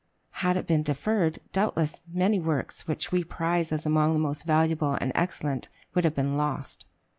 Had it been deferred, doubtless many works which we prize as among the most valuable and excellent would have been lost.